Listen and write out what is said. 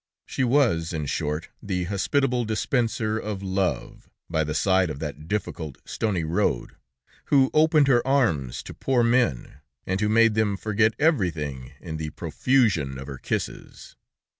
She was, in short, the hospitable dispenser of love, by the side of that difficult, stony road, who opened her arms to poor men, and who made them forget everything in the profusion of her kisses.